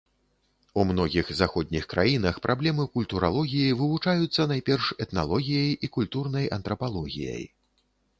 У многіх заходніх краінах праблемы культуралогіі вывучаюцца найперш этналогіяй і культурнай антрапалогіяй.